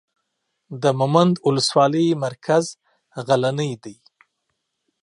د مومند اولسوالۍ مرکز غلنۍ دی.